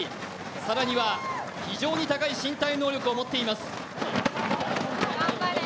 更には非常に高い身体能力を持っています。